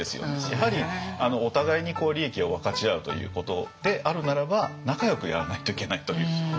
やはりお互いに利益を分かち合うということであるならば仲よくやらないといけないという。